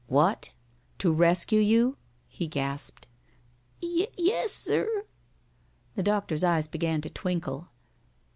"What? To rescue you?" he gasped. "Y yes, sir." The doctor's eyes began to twinkle.